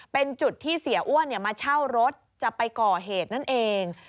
เป็นจุดที่เสียอ้วนมาเช่ารถจะไปก่อเหตุนั่นเอง